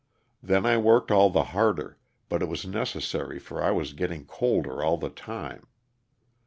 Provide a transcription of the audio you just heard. Then I worked all the harder, but it was necessary for I was getting colder all the time.